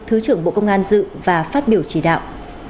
thứ trưởng bộ công an dự và phát biểu chỉ đạo